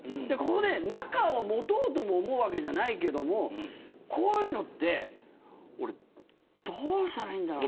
ここで仲を持とうと思うわけじゃないけれどもこういうのってどうしたらいいのかな。